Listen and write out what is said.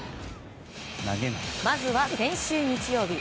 まずは先週日曜日。